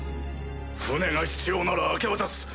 船が必要なら明け渡す。